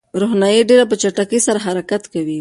روښنايي ډېر په چټکۍ سره حرکت کوي.